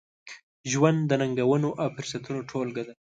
ژوند د ننګونو، او فرصتونو ټولګه ده.